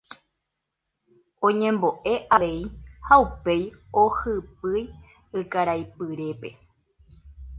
Oñemboʼe avei ha upéi ohypýi ykaraipyrépe.